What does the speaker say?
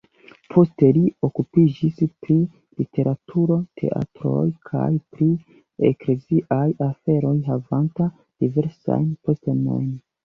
Poste li okupiĝis pri literaturo, teatroj kaj pri ekleziaj aferoj havanta diversajn postenojn.